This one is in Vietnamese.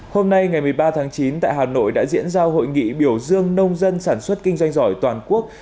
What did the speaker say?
hôm nay ngày một mươi ba tháng chín tại hà nội đã diễn ra hội nghị biểu dương nông dân sản xuất kinh doanh giỏi toàn quốc